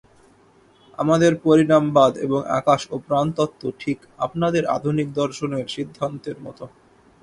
আমাদের পরিণামবাদ এবং আকাশ ও প্রাণতত্ত্ব ঠিক আপনাদের আধুনিক দর্শনের সিদ্ধান্তের মত।